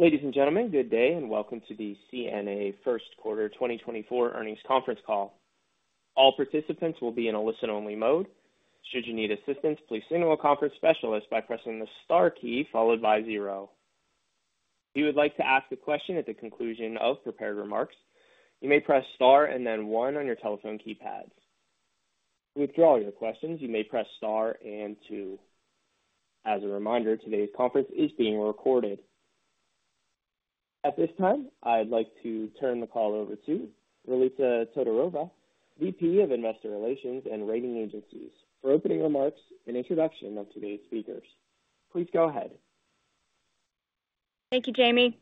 Ladies and gentlemen, good day, and welcome to the CNA Q1 2024 earnings conference call. All participants will be in a listen-only mode. Should you need assistance, please signal a conference specialist by pressing the star key followed by zero. If you would like to ask a question at the conclusion of prepared remarks, you may press Star and then one on your telephone keypads. To withdraw your questions, you may press Star and two. As a reminder, today's conference is being recorded. At this time, I'd like to turn the call over to Ralitza Todorova, VP of Investor Relations and Rating Agencies, for opening remarks and introduction of today's speakers. Please go ahead. Thank you, Jamie.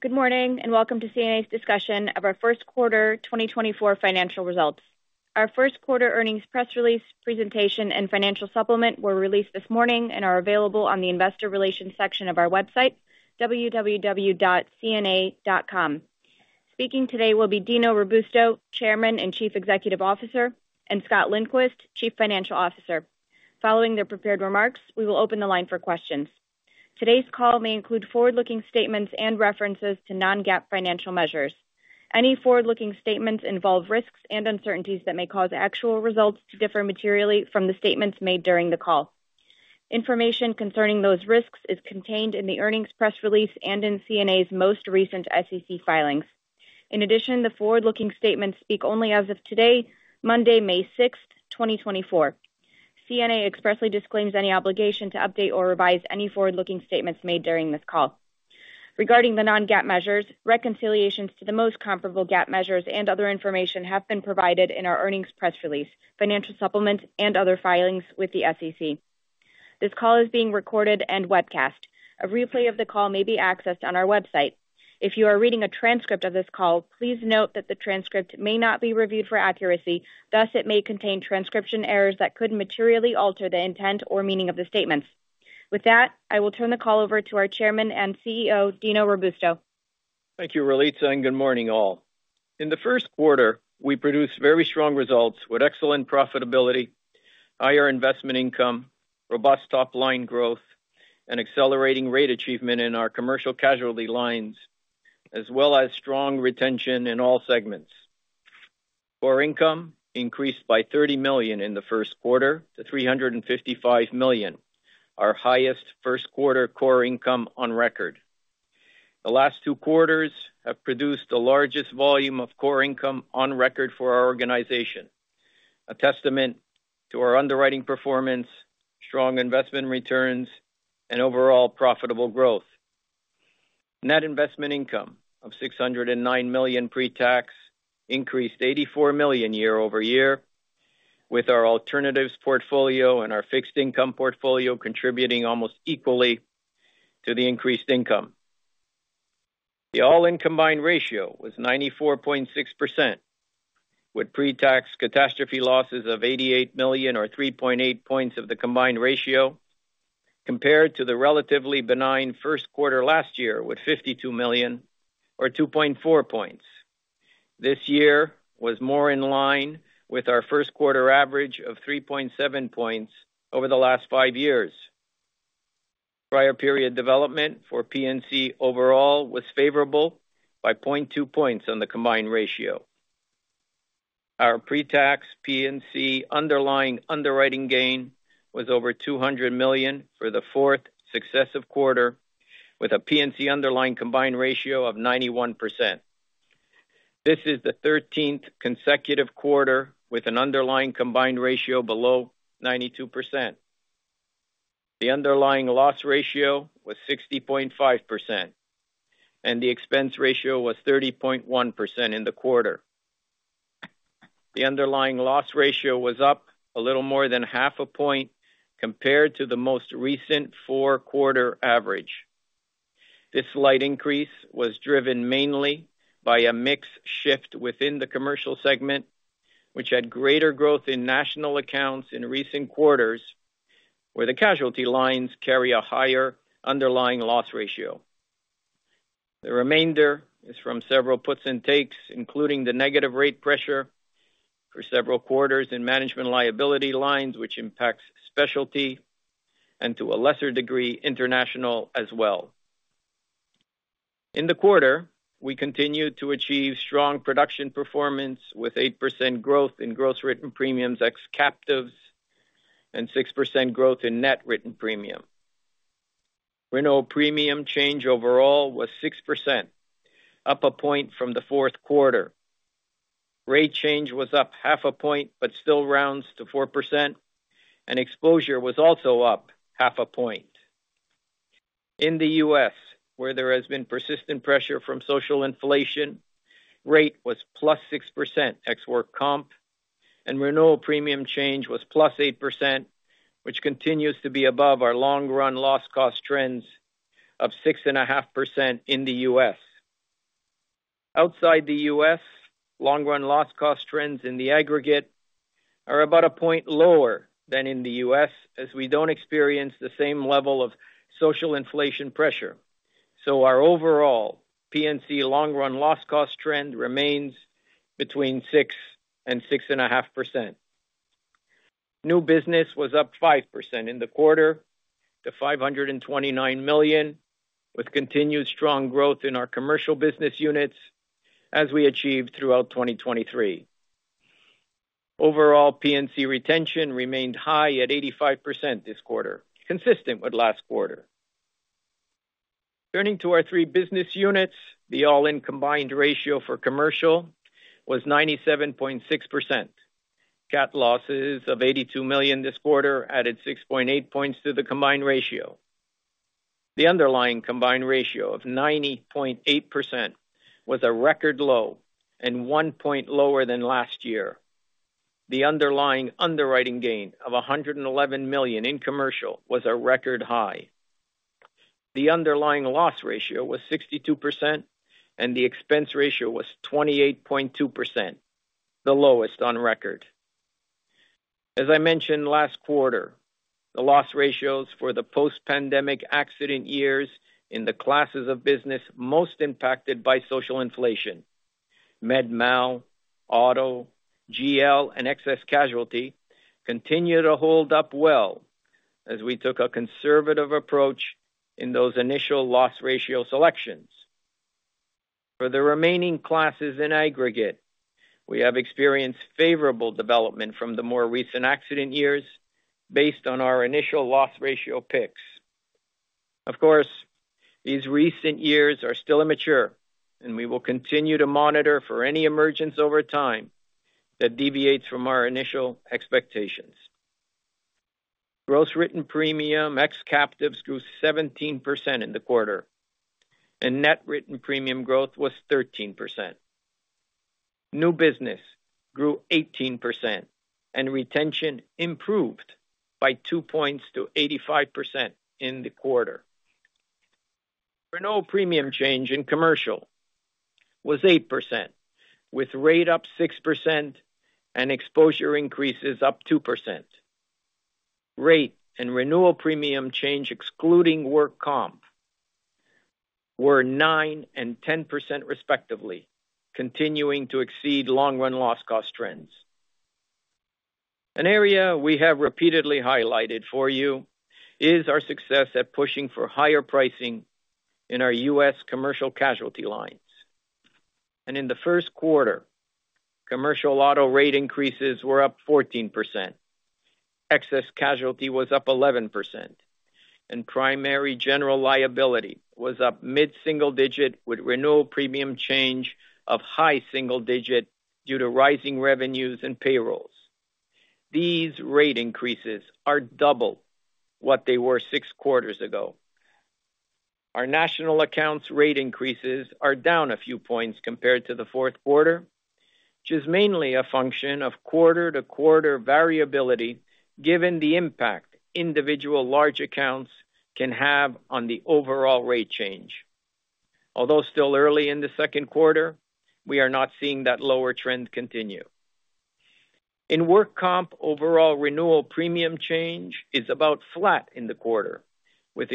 Good morning, and welcome to CNA's discussion of our Q1 2024 financial results. Our Q1 earnings press release, presentation, and financial supplement were released this morning and are available on the Investor Relations section of our website, www.cna.com. Speaking today will be Dino Robusto, Chairman and Chief Executive Officer, and Scott Lindquist, Chief Financial Officer. Following their prepared remarks, we will open the line for questions. Today's call may include forward-looking statements and references to non-GAAP financial measures. Any forward-looking statements involve risks and uncertainties that may cause actual results to differ materially from the statements made during the call. Information concerning those risks is contained in the earnings press release and in CNA's most recent SEC filings. In addition, the forward-looking statements speak only as of today, Monday, May 6, 2024. CNA expressly disclaims any obligation to update or revise any forward-looking statements made during this call. Regarding the non-GAAP measures, reconciliations to the most comparable GAAP measures and other information have been provided in our earnings press release, financial supplements, and other filings with the SEC. This call is being recorded and webcast. A replay of the call may be accessed on our website. If you are reading a transcript of this call, please note that the transcript may not be reviewed for accuracy, thus it may contain transcription errors that could materially alter the intent or meaning of the statements. With that, I will turn the call over to our Chairman and CEO, Dino Robusto. Thank you, Ralitza, and good morning, all. In the Q1, we produced very strong results with excellent profitability, higher investment income, robust top-line growth, and accelerating rate achievement in our commercial casualty lines, as well as strong retention in all segments. Core income increased by $30 million in the Q1 to $355 million, our highest Q1 core income on record. The last two quarters have produced the largest volume of core income on record for our organization, a testament to our underwriting performance, strong investment returns, and overall profitable growth. Net investment income of $609 million pre-tax increased $84 million year-over-year, with our alternatives portfolio and our fixed income portfolio contributing almost equally to the increased income. The all-in combined ratio was 94.6%, with pre-tax catastrophe losses of $88 million or 3.8 points of the combined ratio, compared to the relatively benign Q1 last year, with $52 million or 2.4 points. This year was more in line with our Q1 average of 3.7 points over the last 5 years. Prior period development for P&C overall was favorable by 0.2 points on the combined ratio. Our pre-tax P&C underlying underwriting gain was over $200 million for the fourth successive quarter, with a P&C underlying combined ratio of 91%. This is the thirteenth consecutive quarter with an underlying combined ratio below 92%. The underlying loss ratio was 60.5%, and the expense ratio was 30.1% in the quarter. The underlying loss ratio was up a little more than 0.5 point compared to the most recent Q4 average. This slight increase was driven mainly by a mix shift within the commercial segment, which had greater growth in national accounts in recent quarters, where the casualty lines carry a higher underlying loss ratio. The remainder is from several puts and takes, including the negative rate pressure for several quarters in management liability lines, which impacts specialty and to a lesser degree, international as well. In the quarter, we continued to achieve strong production performance, with 8% growth in gross written premiums ex captives and 6% growth in net written premium. Renewal premium change overall was 6%, up a point from the Q4. Rate change was up 0.5 point, but still rounds to 4%, and exposure was also up 0.5 point. In the U.S., where there has been persistent pressure from social inflation, rate was +6% ex work comp, and renewal premium change was +8%, which continues to be above our long-run loss cost trends of 6.5% in the U.S. Outside the U.S., long-run loss cost trends in the aggregate are about a point lower than in the U.S., as we don't experience the same level of social inflation pressure. So our overall P&C long-run loss cost trend remains between 6% and 6.5%. New business was up 5% in the quarter to $529 million, with continued strong growth in our commercial business units as we achieved throughout 2023. Overall, P&C retention remained high at 85% this quarter, consistent with last quarter. Turning to our three business units, the all-in combined ratio for commercial was 97.6%. Cat losses of $82 million this quarter added 6.8 points to the combined ratio. The underlying combined ratio of 90.8% was a record low and 1 point lower than last year. The underlying underwriting gain of $111 million in commercial was a record high. The underlying loss ratio was 62%, and the expense ratio was 28.2%, the lowest on record. As I mentioned last quarter, the loss ratios for the post-pandemic accident years in the classes of business most impacted by social inflation, MedMal, auto, GL, and excess casualty, continue to hold up well as we took a conservative approach in those initial loss ratio selections. For the remaining classes in aggregate, we have experienced favorable development from the more recent accident years based on our initial loss ratio picks. Of course, these recent years are still immature, and we will continue to monitor for any emergence over time that deviates from our initial expectations. Gross written premium ex captives grew 17% in the quarter, and net written premium growth was 13%. New business grew 18%, and retention improved by 2 points to 85% in the quarter. Renewal premium change in commercial was 8%, with rate up 6% and exposure increases up 2%. Rate and renewal premium change, excluding work comp, were 9% and 10%, respectively, continuing to exceed long run loss cost trends. An area we have repeatedly highlighted for you is our success at pushing for higher pricing in our U.S. commercial casualty lines. In the Q1, commercial auto rate increases were up 14%, excess casualty was up 11%, and primary general liability was up mid-single digit, with renewal premium change of high single digit due to rising revenues and payrolls. These rate increases are double what they were six quarters ago. Our national accounts rate increases are down a few points compared to the Q4, which is mainly a function of quarter-to-quarter variability, given the impact individual large accounts can have on the overall rate change. Although still early in the Q2, we are not seeing that lower trend continue. In work comp, overall renewal premium change is about flat in the quarter, with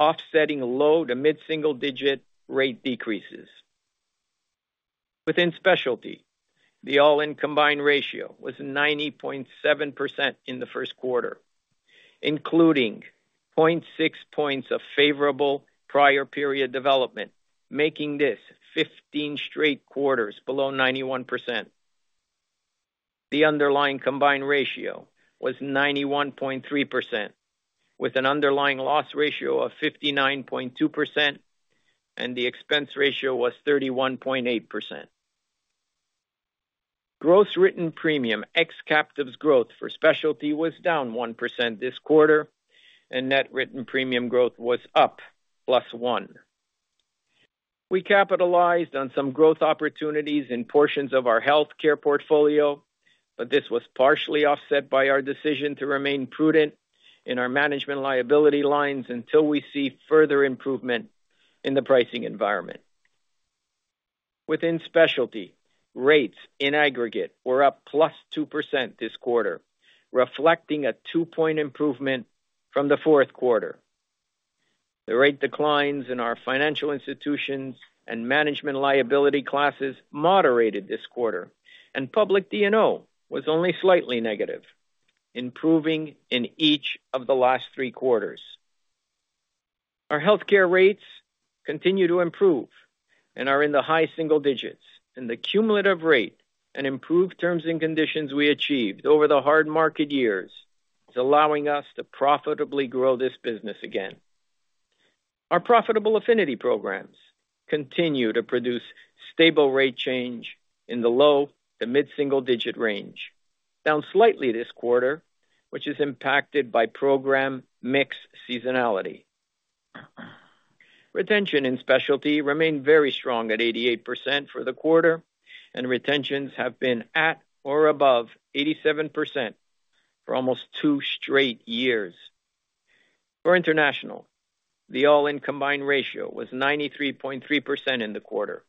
exposure increase offsetting low to mid-single digit rate decreases. Within specialty, the all-in combined ratio was 90.7% in the Q1, including 0.6 points of favorable prior period development, making this 15 straight quarters below 91%. The underlying combined ratio was 91.3%, with an underlying loss ratio of 59.2%, and the expense ratio was 31.8%. Gross written premium ex captives growth for specialty was down 1% this quarter, and net written premium growth was up +1%. We capitalized on some growth opportunities in portions of our healthcare portfolio, but this was partially offset by our decision to remain prudent in our management liability lines until we see further improvement in the pricing environment. Within specialty, rates in aggregate were up +2% this quarter, reflecting a 2-point improvement from the Q4. The rate declines in our financial institutions and management liability classes moderated this quarter, and Public D&O was only slightly negative, improving in each of the last Q3. Our healthcare rates continue to improve and are in the high single digits, and the cumulative rate and improved terms and conditions we achieved over the hard market years is allowing us to profitably grow this business again. Our profitable Affinity Programs continue to produce stable rate change in the low- to mid-single-digit range, down slightly this quarter, which is impacted by program mix seasonality. Retention in Specialty remained very strong at 88% for the quarter, and retentions have been at or above 87% for almost two straight years. For international, the All-in Combined Ratio was 93.3% in the quarter,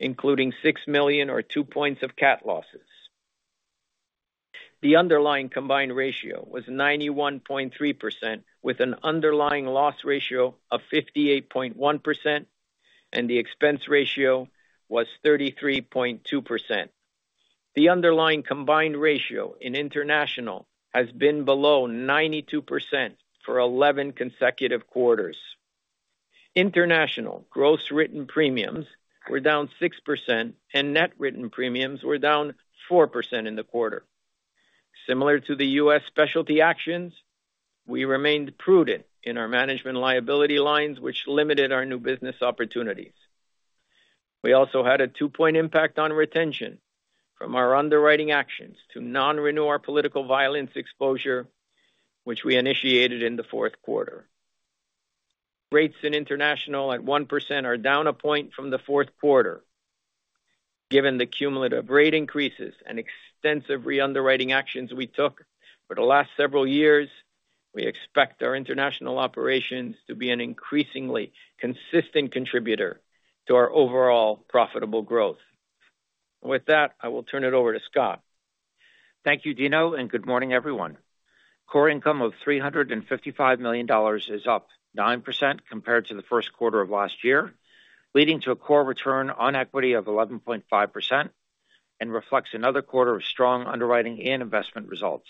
including $6 million or 2 points of cat losses. The underlying combined ratio was 91.3%, with an underlying loss ratio of 58.1%, and the expense ratio was 33.2%. The underlying combined ratio in international has been below 92% for 11 consecutive quarters. International gross written premiums were down 6%, and net written premiums were down 4% in the quarter. Similar to the U.S. specialty actions, we remained prudent in our management liability lines, which limited our new business opportunities. We also had a 2-point impact on retention from our underwriting actions to non-renew our political violence exposure, which we initiated in the Q4. Rates in international at 1% are down 1 point from the Q4. Given the cumulative rate increases and extensive re-underwriting actions we took for the last several years, we expect our international operations to be an increasingly consistent contributor to our overall profitable growth. With that, I will turn it over to Scott. Thank you, Dino, and good morning, everyone. Core income of $355 million is up 9% compared to the Q1 of last year, leading to a core return on equity of 11.5% and reflects another quarter of strong underwriting and investment results.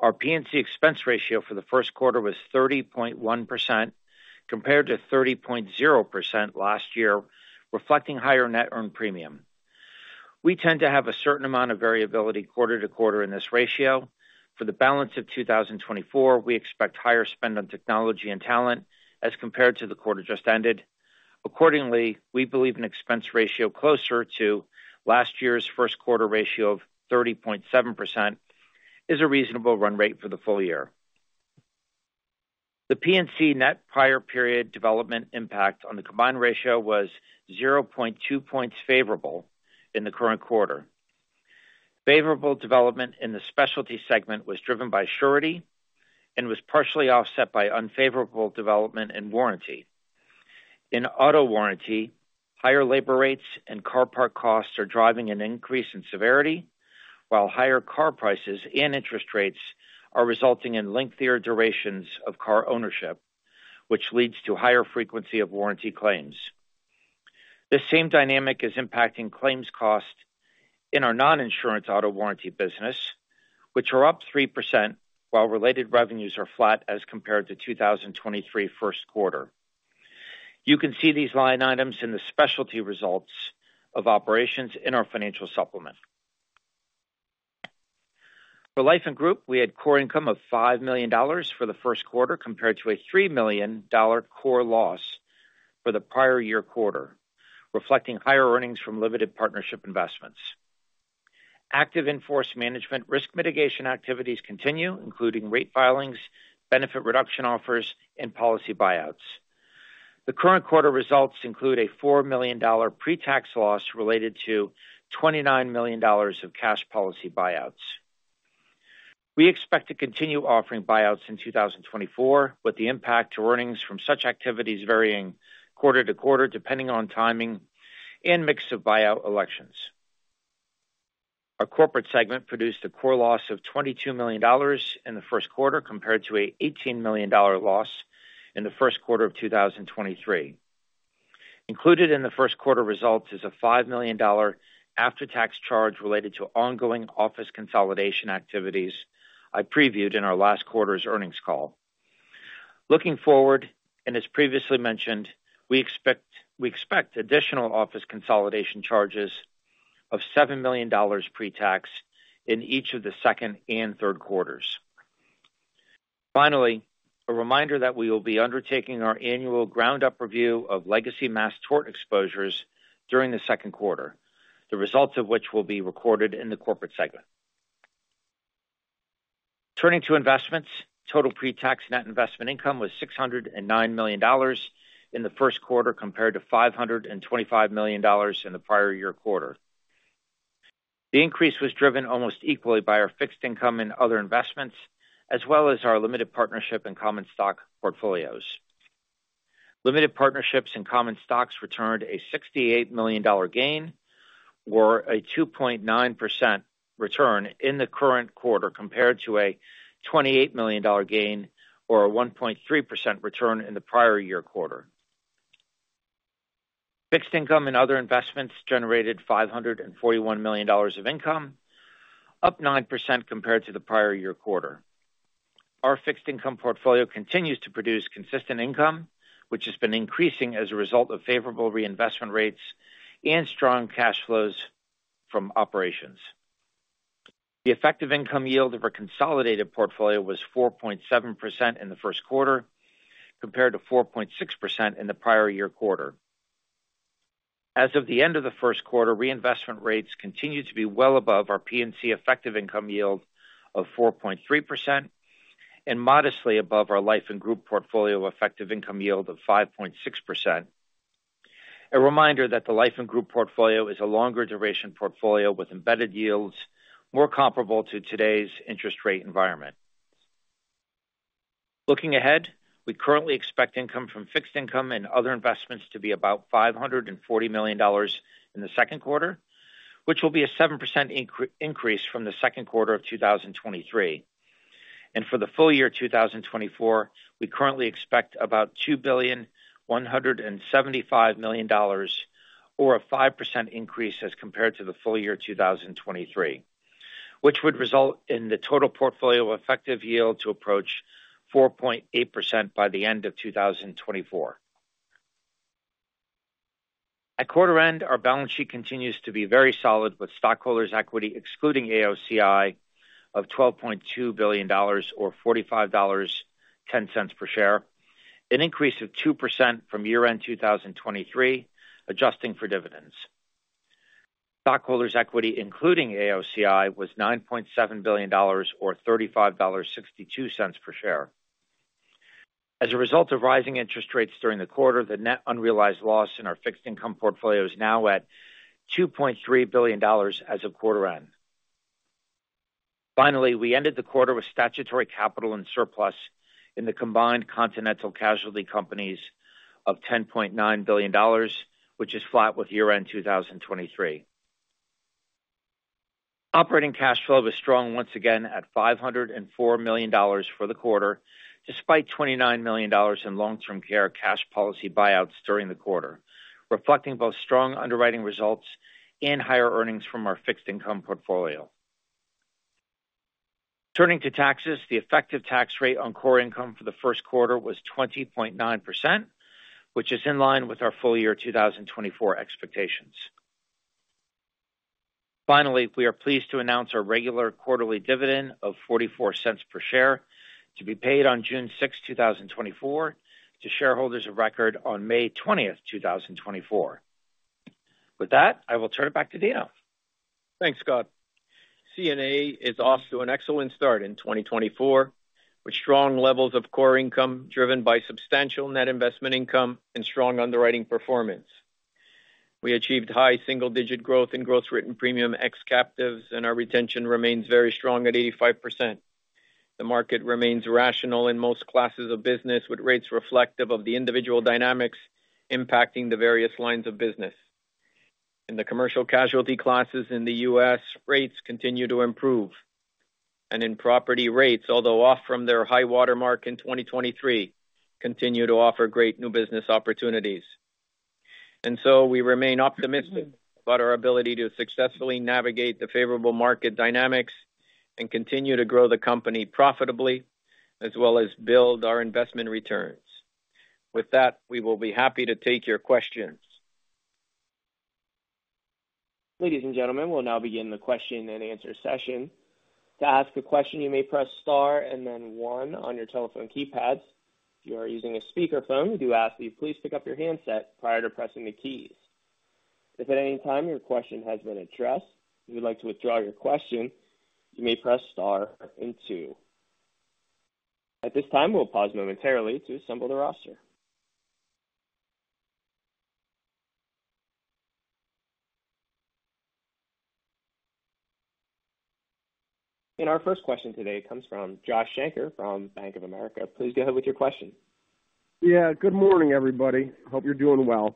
Our P&C expense ratio for the Q1 was 30.1%, compared to 30.0% last year, reflecting higher net earned premium. We tend to have a certain amount of variability quarter to quarter in this ratio. For the balance of 2024, we expect higher spend on technology and talent as compared to the quarter just ended. Accordingly, we believe an expense ratio closer to last year's Q1 ratio of 30.7% is a reasonable run rate for the full year. The P&C net prior period development impact on the combined ratio was 0.2 points favorable in the current quarter. Favorable development in the specialty segment was driven by surety and was partially offset by unfavorable development and warranty. In auto warranty, higher labor rates and car part costs are driving an increase in severity, while higher car prices and interest rates are resulting in lengthier durations of car ownership, which leads to higher frequency of warranty claims. This same dynamic is impacting claims costs in our non-insurance auto warranty business, which are up 3%, while related revenues are flat as compared to 2023 Q1. You can see these line items in the specialty results of operations in our financial supplement. For Life and Group, we had core income of $5 million for the Q1, compared to a $3 million core loss for the prior year quarter, reflecting higher earnings from limited partnership investments. Active in-force management risk mitigation activities continue, including rate filings, benefit reduction offers, and policy buyouts. The current quarter results include a $4 million pre-tax loss related to $29 million of cash policy buyouts. We expect to continue offering buyouts in 2024, with the impact to earnings from such activities varying quarter to quarter, depending on timing and mix of buyout elections. Our corporate segment produced a core loss of $22 million in the Q1, compared to an $18 million loss in the Q1 of 2023. Included in the Q1 results is a $5 million after-tax charge related to ongoing office consolidation activities I previewed in our last quarter's earnings call. Looking forward, and as previously mentioned, we expect additional office consolidation charges of $7 million pre-tax in each of the second and Q3s. Finally, a reminder that we will be undertaking our annual ground-up review of legacy mass tort exposures during the Q2, the results of which will be recorded in the corporate segment. Turning to investments, total pre-tax net investment income was $609 million in the Q1, compared to $525 million in the prior year quarter. The increase was driven almost equally by our fixed income and other investments, as well as our limited partnership and common stock portfolios. Limited partnerships and common stocks returned a $68 million dollar gain or a 2.9% return in the current quarter, compared to a $28 million dollar gain or a 1.3% return in the prior year quarter. Fixed income and other investments generated $541 million of income, up 9% compared to the prior year quarter. Our fixed income portfolio continues to produce consistent income, which has been increasing as a result of favorable reinvestment rates and strong cash flows from operations. The effective income yield of our consolidated portfolio was 4.7% in the Q1, compared to 4.6% in the prior year quarter. As of the end of the Q1, reinvestment rates continued to be well above our P&C effective income yield of 4.3%, and modestly above our Life and Group portfolio effective income yield of 5.6%. A reminder that the Life and Group portfolio is a longer duration portfolio with embedded yields more comparable to today's interest rate environment. Looking ahead, we currently expect income from fixed income and other investments to be about $540 million in the Q2, which will be a 7% increase from the Q2 of 2023.... For the full year 2024, we currently expect about $2.175 billion, or a 5% increase as compared to the full year 2023, which would result in the total portfolio effective yield to approach 4.8% by the end of 2024. At quarter end, our balance sheet continues to be very solid, with stockholders' equity excluding AOCI of $12.2 billion, or $45.10 per share, an increase of 2% from year-end 2023, adjusting for dividends. Stockholders' equity, including AOCI, was $9.7 billion, or $35.62 per share. As a result of rising interest rates during the quarter, the net unrealized loss in our fixed income portfolio is now at $2.3 billion as of quarter end. Finally, we ended the quarter with statutory capital and surplus in the combined Continental Casualty Companies of $10.9 billion, which is flat with year-end 2023. Operating cash flow was strong once again at $504 million for the quarter, despite $29 million in long-term care cash policy buyouts during the quarter, reflecting both strong underwriting results and higher earnings from our fixed income portfolio. Turning to taxes, the effective tax rate on core income for the Q1 was 20.9%, which is in line with our full year 2024 expectations. Finally, we are pleased to announce our regular quarterly dividend of $0.44 per share to be paid on June 6, 2024, to shareholders of record on May 20, 2024. With that, I will turn it back to Dino. Thanks, Scott. CNA is off to an excellent start in 2024, with strong levels of core income, driven by substantial net investment income and strong underwriting performance. We achieved high single-digit growth in gross written premium ex captives, and our retention remains very strong at 85%. The market remains rational in most classes of business, with rates reflective of the individual dynamics impacting the various lines of business. In the commercial casualty classes in the U.S., rates continue to improve, and in property rates, although off from their high watermark in 2023, continue to offer great new business opportunities. And so we remain optimistic about our ability to successfully navigate the favorable market dynamics and continue to grow the company profitably, as well as build our investment returns. With that, we will be happy to take your questions. Ladies and gentlemen, we'll now begin the question-and-answer session. To ask a question, you may press star and then one on your telephone keypads. If you are using a speakerphone, we do ask that you please pick up your handset prior to pressing the keys. If at any time your question has been addressed, if you'd like to withdraw your question, you may press star and two. At this time, we'll pause momentarily to assemble the roster. And our first question today comes from Josh Shanker from Bank of America. Please go ahead with your question. Yeah, good morning, everybody. Hope you're doing well.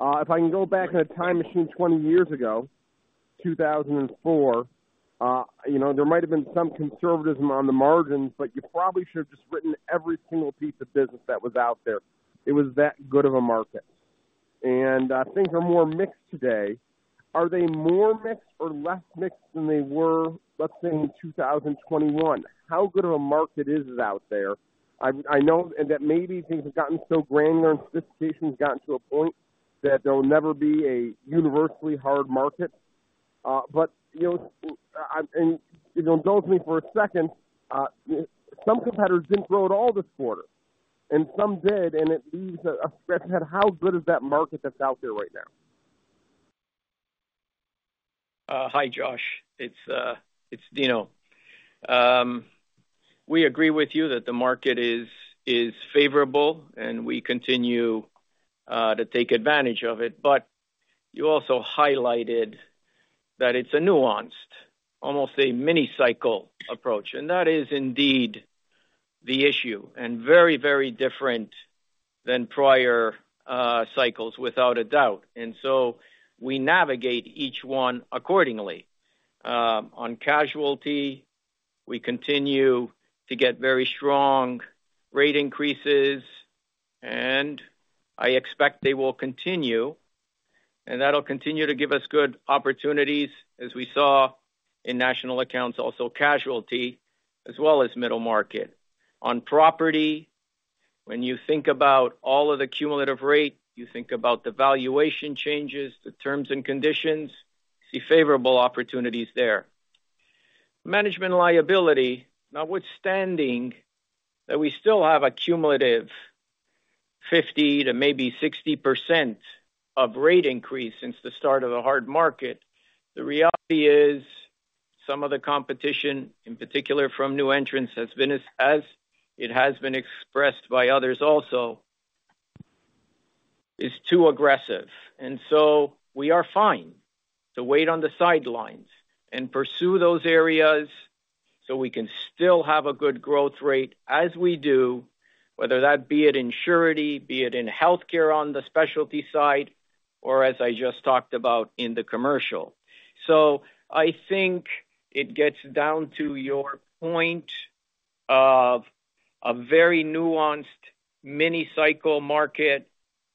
If I can go back in a time machine 20 years ago, 2004, you know, there might have been some conservatism on the margins, but you probably should have just written every single piece of business that was out there. It was that good of a market, and things are more mixed today. Are they more mixed or less mixed than they were, let's say, in 2021? How good of a market is it out there? I know that maybe things have gotten so granular and sophistication's gotten to a point that there will never be a universally hard market, but, you know, indulge me for a second, some competitors didn't grow at all this quarter, and some did, and it leaves. How good is that market that's out there right now? Hi, Josh. It's, it's Dino. We agree with you that the market is favorable, and we continue to take advantage of it. But you also highlighted that it's a nuanced, almost a mini-cycle approach, and that is indeed the issue, and very, very different than prior cycles, without a doubt. And so we navigate each one accordingly. On casualty, we continue to get very strong rate increases, and I expect they will continue, and that'll continue to give us good opportunities, as we saw in national accounts, also casualty, as well as middle market. On property, when you think about all of the cumulative rate, you think about the valuation changes, the terms and conditions, see favorable opportunities there. Management liability, notwithstanding that we still have a cumulative 50% to maybe 60% rate increase since the start of the hard market, the reality is some of the competition, in particular from new entrants, has been, as it has been expressed by others also, too aggressive. And so we are fine to wait on the sidelines and pursue those areas so we can still have a good growth rate as we do, whether that be it in surety, be it in healthcare on the specialty side... or as I just talked about in the commercial. So I think it gets down to your point of a very nuanced mini-cycle market,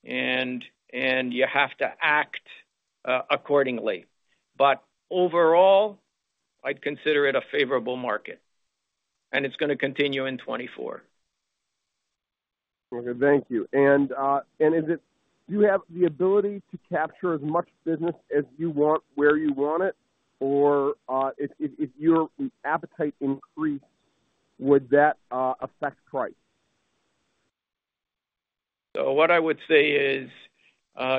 and you have to act accordingly. But overall, I'd consider it a favorable market, and it's going to continue in 2024. Okay, thank you. And is it- do you have the ability to capture as much business as you want, where you want it? Or, if your appetite increased, would that affect price? So what I would say is,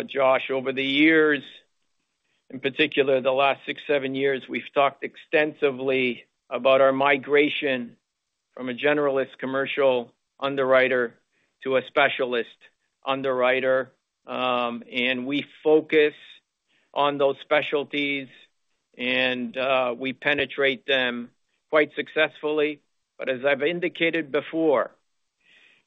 Josh, over the years, in particular, the last six, seven years, we've talked extensively about our migration from a generalist commercial underwriter to a specialist underwriter. And we focus on those specialties and, we penetrate them quite successfully. But as I've indicated before,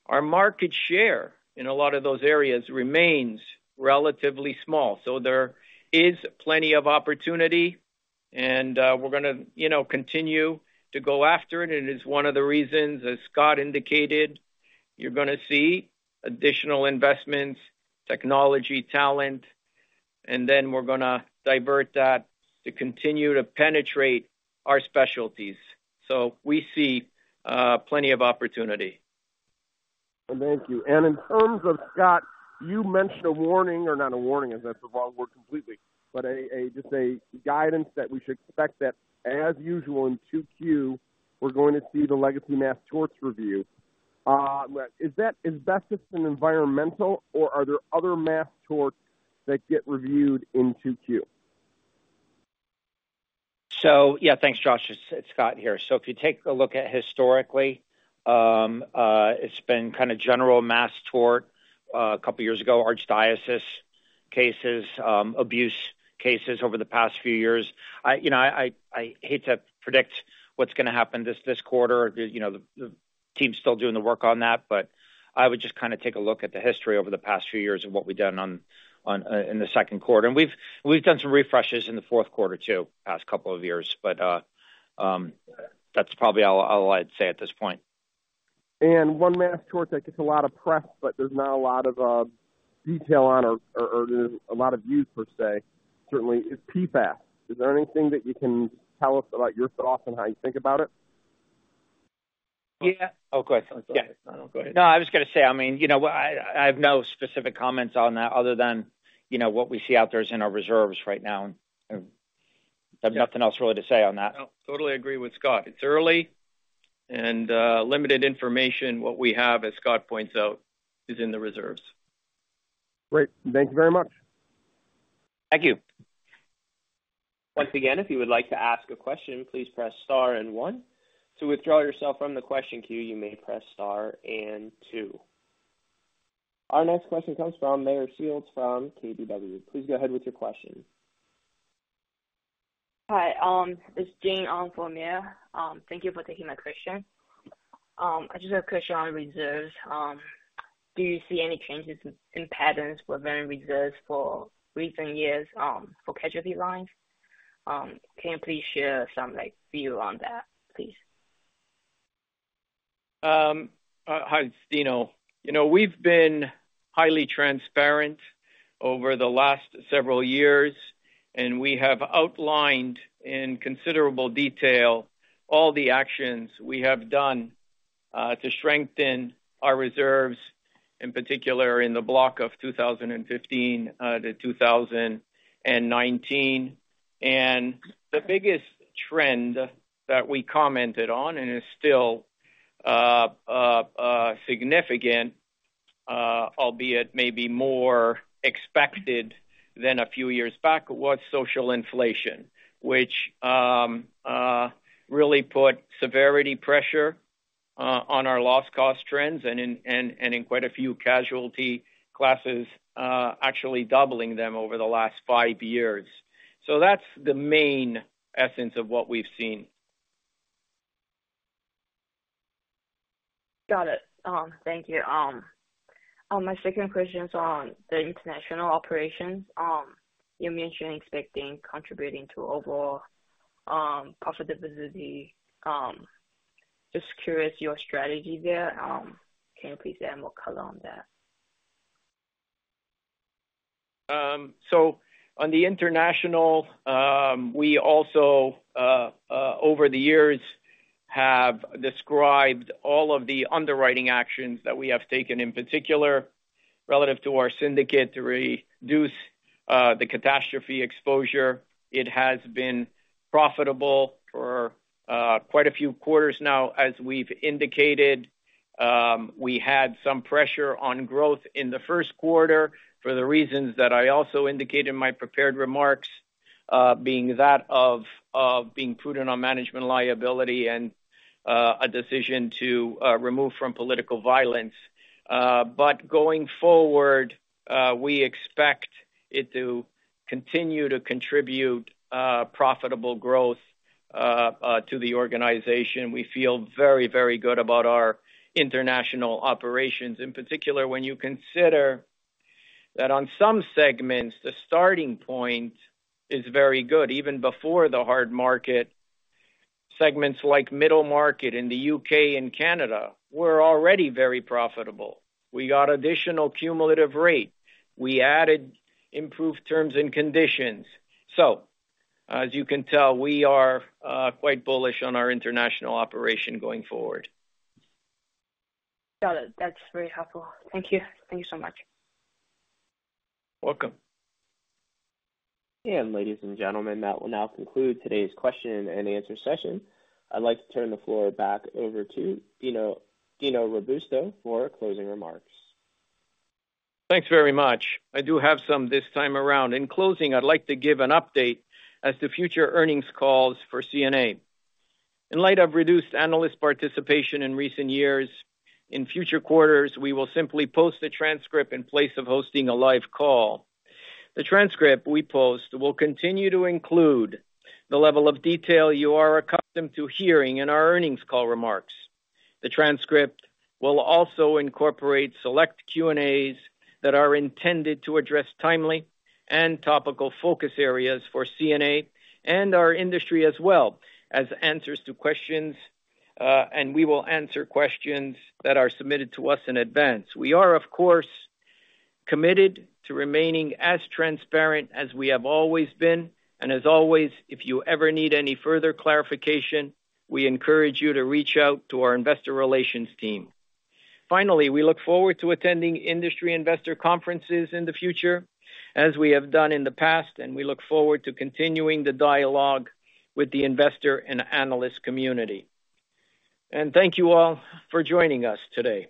our market share in a lot of those areas remains relatively small. So there is plenty of opportunity, and, we're going to, you know, continue to go after it. It is one of the reasons, as Scott indicated, you're going to see additional investments, technology, talent, and then we're going to divert that to continue to penetrate our specialties. So we see, plenty of opportunity. Thank you. And in terms of Scott, you mentioned a warning, or not a warning, that's the wrong word completely, but just a guidance that we should expect that, as usual, in 2Q, we're going to see the legacy mass torts review. Is that just in environmental or are there other mass torts that get reviewed in 2Q? So, yeah, thanks, Josh. It's Scott here. So if you take a look at historically, it's been kind of general mass tort, a couple of years ago, archdiocese cases, abuse cases over the past few years. You know, I hate to predict what's going to happen this quarter. You know, the team's still doing the work on that, but I would just kind of take a look at the history over the past few years of what we've done on in the Q2. And we've done some refreshes in the Q4, too, the past couple of years. But that's probably all I'd say at this point. One mass tort that gets a lot of press, but there's not a lot of detail on, or there's a lot of views per se, certainly, is PFAS. Is there anything that you can tell us about your thoughts on how you think about it? Yeah. Oh, go ahead. Yeah, go ahead. No, I was going to say, I mean, you know, I have no specific comments on that other than, you know, what we see out there is in our reserves right now. I have nothing else really to say on that. No, totally agree with Scott. It's early and, limited information. What we have, as Scott points out, is in the reserves. Great. Thank you very much. Thank you. Once again, if you would like to ask a question, please press star and one. To withdraw yourself from the question queue, you may press star and two. Our next question comes from Meyer Shields from KBW. Please go ahead with your question. Hi, this is Jane from Meyer. Thank you for taking my question. I just have a question on reserves. Do you see any changes in patterns with many reserves for recent years, for casualty lines? Can you please share some, like, view on that, please? Hi, it's Dino. You know, we've been highly transparent over the last several years, and we have outlined in considerable detail all the actions we have done to strengthen our reserves, in particular, in the block of 2015 to 2019. And the biggest trend that we commented on, and is still significant, albeit maybe more expected than a few years back, was social inflation, which really put severity pressure on our loss cost trends and in quite a few casualty classes, actually doubling them over the last five years. So that's the main essence of what we've seen. Got it. Thank you. My second question is on the international operations. You mentioned expecting contributing to overall profitability. Just curious, your strategy there. Can you please add more color on that? So on the international, we also over the years have described all of the underwriting actions that we have taken, in particular, relative to our syndicate, to reduce the catastrophe exposure. It has been profitable for quite a few quarters now. As we've indicated, we had some pressure on growth in the Q1 for the reasons that I also indicated in my prepared remarks, being that of being prudent on management liability and a decision to remove from political violence. But going forward, we expect it to continue to contribute profitable growth to the organization. We feel very, very good about our international operations. In particular, when you consider that on some segments, the starting point is very good. Even before the hard market, segments like middle market in the UK and Canada were already very profitable. We got additional cumulative rate. We added improved terms and conditions. So as you can tell, we are quite bullish on our international operation going forward. Got it. That's very helpful. Thank you. Thank you so much. Welcome. Ladies and gentlemen, that will now conclude today's question and answer session. I'd like to turn the floor back over to Dino, Dino Robusto, for closing remarks. Thanks very much. I do have some this time around. In closing, I'd like to give an update as to future earnings calls for CNA. In light of reduced analyst participation in recent years, in future quarters, we will simply post a transcript in place of hosting a live call. The transcript we post will continue to include the level of detail you are accustomed to hearing in our earnings call remarks. The transcript will also incorporate select Q&As that are intended to address timely and topical focus areas for CNA and our industry as well, as answers to questions, and we will answer questions that are submitted to us in advance. We are, of course, committed to remaining as transparent as we have always been, and as always, if you ever need any further clarification, we encourage you to reach out to our Investor Relations team. Finally, we look forward to attending industry investor conferences in the future, as we have done in the past, and we look forward to continuing the dialogue with the investor and analyst community. And thank you all for joining us today.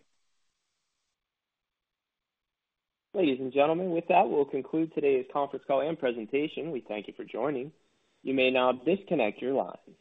Ladies and gentlemen, with that, we'll conclude today's conference call and presentation. We thank you for joining. You may now disconnect your line.